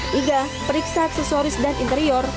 tiga periksa aksesoris dan interior